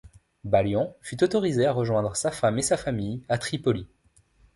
Balian fut autorisé à rejoindre sa femme et sa famille à Tripoli.